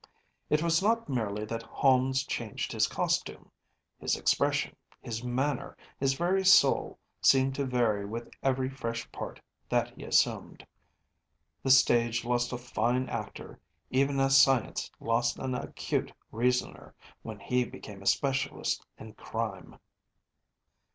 It was not merely that Holmes changed his costume. His expression, his manner, his very soul seemed to vary with every fresh part that he assumed. The stage lost a fine actor, even as science lost an acute reasoner, when he became a specialist in crime.